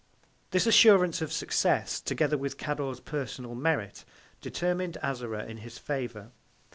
This Assurance of Success, together with Cador's personal Merit, determin'd Azora in his Favour.